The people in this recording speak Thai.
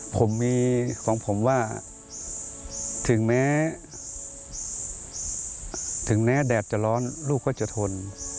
ผมมีของผมว่าถึงแม้ถึงแม้แดดจะร้อนลูกก็จะทน